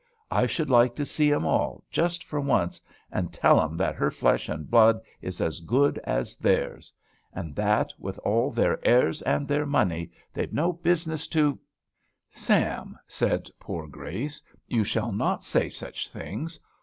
I should like to see 'em all, just for once, and tell 'em that her flesh and blood is as good as theirs; and that, with all their airs and their money, they've no business to" "Sam," said poor Grace, "you shall not say such things.